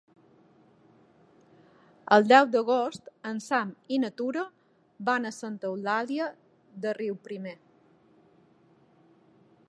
El deu d'agost en Sam i na Tura van a Santa Eulàlia de Riuprimer.